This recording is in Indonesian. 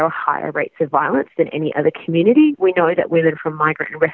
kami tahu bahwa perempuan dari latar belakang dan pemerintah yang berpengaruh